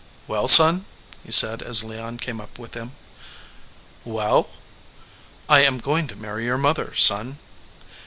"Well, son ?" he said as Leon came up with him. "Well?" "I am going to marry your mother, son."